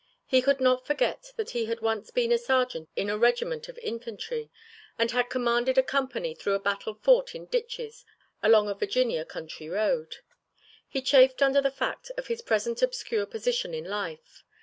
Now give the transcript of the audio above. He could not forget that he had once been a sergeant in a regiment of infantry and had commanded a company through a battle fought in ditches along a Virginia country road. He chafed under the fact of his present obscure position in life.